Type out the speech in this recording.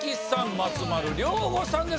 松丸亮吾さんです。